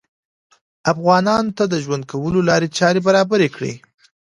افغانانو ته د ژوند کولو لارې چارې برابرې کړې